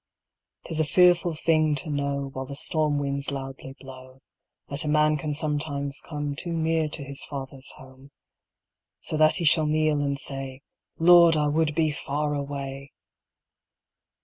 'Tis a fearful thing to know, While the storm winds loudly blow, That a man can sometimes come Too near to his father's home; So that he shall kneel and say, "Lord, I would be far away!"